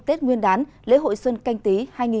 tết nguyên đán lễ hội xuân canh tí hai nghìn hai mươi